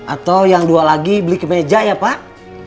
atau yang dua lagi beli ke meja ya pak